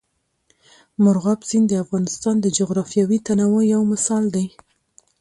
مورغاب سیند د افغانستان د جغرافیوي تنوع یو مثال دی.